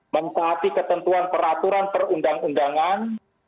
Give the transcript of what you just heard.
mentaati ketentuan peraturan perundang undangan